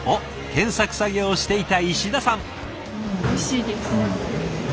研削作業をしていた石田さん。